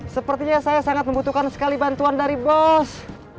sepertinya saya sangat membutuhkan sekali bantuan dari bos